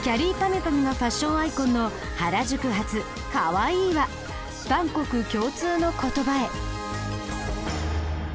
ゅぱみゅがファッションアイコンの原宿発「Ｋａｗａｉｉ」は万国共通の言葉へ。